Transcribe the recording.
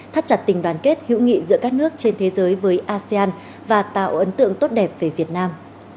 thắt chặt tình đoàn kết hữu nghị giữa các nước trên thế giới với asean và tạo ấn tượng tốt đẹp về việt nam